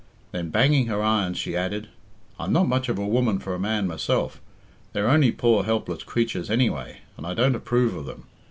Then, banging her irons, she added, "I'm not much of a woman for a man myself. They're only poor helpless creatures anyway, and I don't approve of them.